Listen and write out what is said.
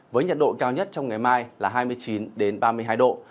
với nhiệt độ cao nhất trong ngày mai là hai mươi chín ba mươi hai độ